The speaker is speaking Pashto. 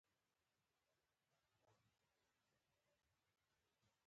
کولو توان نه لرم .